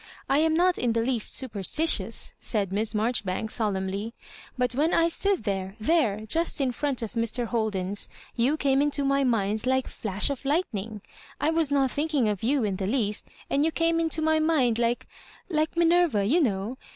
I am not in the least superstitious," said Miss Marjoribanks, solemnly ; "but when I stood there — ^there, just in front of Mr. Holden's — ^you came into my mind like a flash of lightning. I was not thinking of you in the least, and you came into my mind like^ like Minerva, you know.